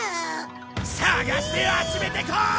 探して集めてこーい！